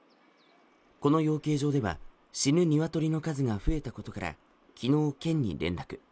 この養鶏場では、死ぬ鶏の数が増えたことから、昨日、県に連絡。